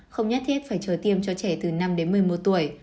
không nhất thiết phải chờ tiêm cho trẻ từ năm đến một mươi một tuổi